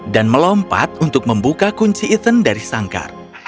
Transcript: dan melompat untuk membuka kunci ethan dari sangkar